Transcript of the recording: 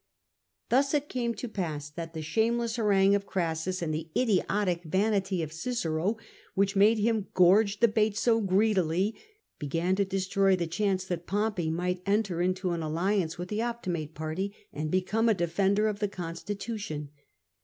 Thus it came to pass that the shameless harangue of Crassus and the idiotic vanity of Cicero, which made him gorge the bait so greedily, began to destroy the chance that Pompey might enter into an alliance with the Optimate party, and become a defender of the consti tution.